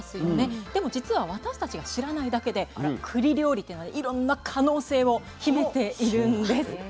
でもじつは私たちが知らないだけでくり料理っていうのはいろんな可能性を秘めているんです。